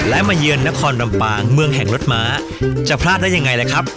และมาเยือนนครลำปางเมืองแห่งรถม้าจะพลาดได้ยังไงล่ะครับ